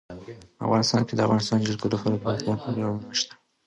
افغانستان کې د د افغانستان جلکو لپاره دپرمختیا پروګرامونه شته.